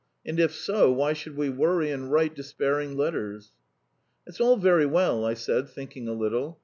And if so, why should we worry and write despairing letters?" "That's all very well," I said, thinking a little.